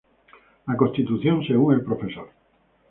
La Constitución, según el Prof.